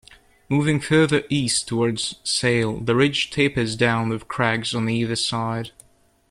Moving further east towards Sail, the ridge tapers down with crags on either side.